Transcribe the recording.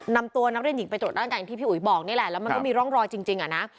นำตัวนักเรียนหญิงไปตรวจร่างกายอย่างที่พี่อุ๋ยบอกนี่แหละแล้วมันก็มีร่องรอยจริงอ่ะนะ